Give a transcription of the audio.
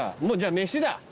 もうじゃあ飯だ。